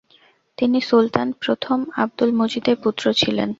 তিনি সুলতান প্রথম আবদুল মজিদের পুত্র ছিলেন।